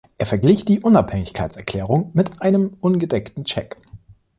Er verglich die Unabhängigkeitserklärung mit einem ungedeckten Scheck.